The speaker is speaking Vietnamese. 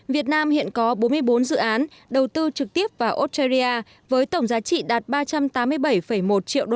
việt nam hiện có bốn mươi bốn dự án đầu tư trực tiếp vào australia với tổng giá trị đạt ba trăm tám mươi bảy một triệu usd